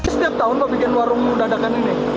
setiap tahun pak bikin warung dadakan ini